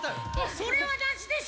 それはなしでしょ